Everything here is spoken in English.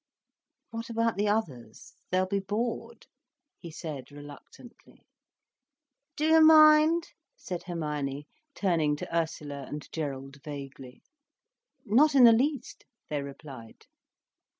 "What about the others, they'll be bored," he said reluctantly. "Do you mind?" said Hermione, turning to Ursula and Gerald vaguely. "Not in the least," they replied.